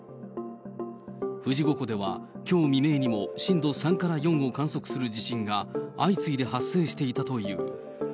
富士五湖では、きょう未明にも震度３から４を観測する地震が、相次いで発生していたという。